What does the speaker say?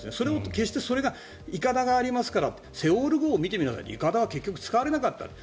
決してそれがいかだがありますから「セウォル号」を見るといかだは結局、使われなかった。